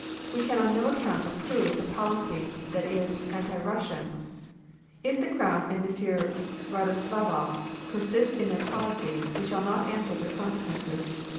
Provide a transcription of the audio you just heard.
We can on no account approve the policy that is anti Russian. If the Crown and M. Radoslavoff persist in their policy we shall not answer for the consequences.